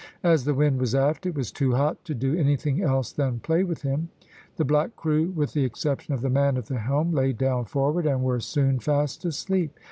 As the wind was aft, it was too hot to do anything else than play with him. The black crew, with the exception of the man at the helm, lay down forward, and were soon fast asleep.